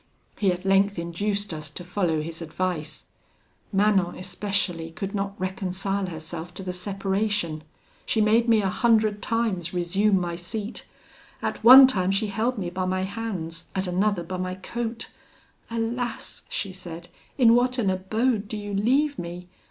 He at length induced us to follow his advice. Manon especially could not reconcile herself to the separation: she made me a hundred times resume my seat. At one time she held me by my hands, at another by my coat. 'Alas!' she said, 'in what an abode do you leave me!